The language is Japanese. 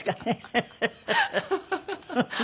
ハハハハ。